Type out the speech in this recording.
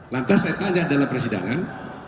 lantas saya tanya dalam persidangan